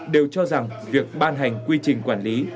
đều cho rằng việc ban hành quy trình quản lý